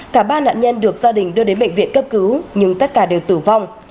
cả ba nạn nhân được gia đình đưa đến bệnh viện cấp cứu nhưng tất cả đều tử vong